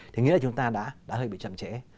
thì nghĩa là chúng ta đã hơi bị chậm trễ